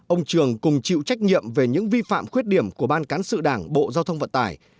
ông trường cùng chịu trách nhiệm về những vi phạm khuyết điểm của ban cán sự đảng bộ giao thông vận tải